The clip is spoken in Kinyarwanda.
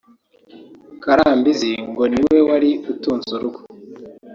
Karambizi ngo ni we wari utunze urugo